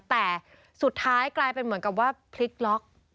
แต่สุดท้ายกลายเป็นเหมือนกับว่าพลิกล็อก